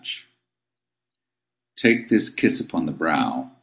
Take this kiss upon the brow!